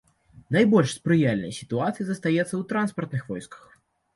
Найбольш спрыяльнай сітуацыяй застаецца ў транспартных войсках.